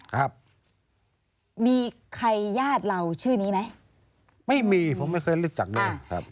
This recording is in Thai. ครับมีใครญาติเราชื่อนี้ไหมไม่มีผมไม่เคยรู้จักเลยครับ